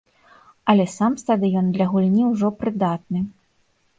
Але сам стадыён для гульні ўжо прыдатны.